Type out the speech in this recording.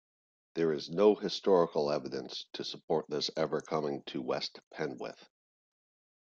There is no historical evidence to support his ever coming to West Penwith.